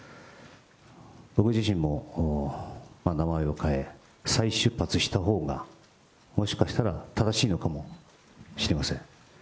僕自身も名前を変え、再出発したほうがもしかしたら正しいのかもしれません。